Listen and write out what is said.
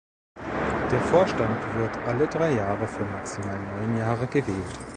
Der Vorstand wird alle drei Jahre für maximal neun Jahre gewählt.